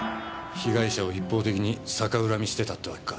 被害者を一方的に逆恨みしてたってわけか。